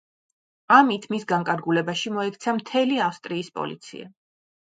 ამით მის განკარგულებაში მოექცა მთელი ავსტრიის პოლიცია.